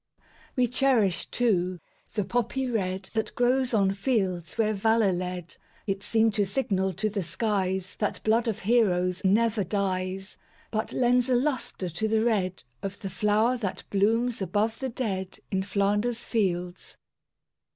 We cherish, too, the Poppy red That grows on fields where valor led; It seems to signal to the skies That blood of heroes never dies, But lends a lustre to the red Of the flower that blooms above the dead In Flanders Fields.